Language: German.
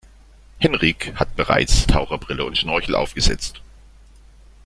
Henrik hat bereits Taucherbrille und Schnorchel aufgesetzt.